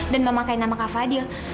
dan memakai nama kak fadil